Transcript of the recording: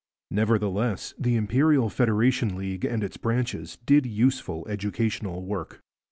Nevertheless the Imperial Federation League and its branches did useful educational work.